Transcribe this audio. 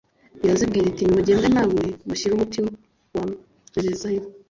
irazibwira iti «nimugende na mwe munshire umuti wa mperezayo.»